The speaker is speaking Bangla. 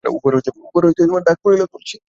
উপর হইতে ডাক পড়িল, তুলসী!